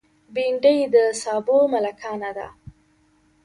بېنډۍ د سابو ملکانه ده